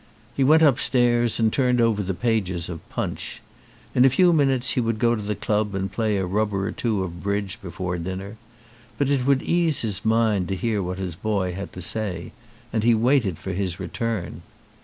He went upstairs and turned over the pages of Punch. In a few minutes he would go to the club and play a rubber or two of bridge before dinner. But it would ease his mind to hear what his boy had to say and he waited for his return.